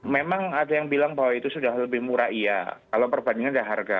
memang ada yang bilang bahwa itu sudah lebih murah iya kalau perbandingan harga